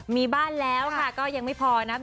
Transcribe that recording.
มีบ้านแล้วค่ะก็ยังไม่พอนะ